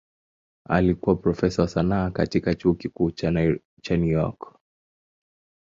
Alikuwa profesa wa sanaa katika Chuo Kikuu cha New York.